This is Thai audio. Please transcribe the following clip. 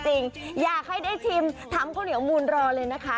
อยากให้ได้ชิมทำข้าวเหนียวมูลรอเลยนะคะ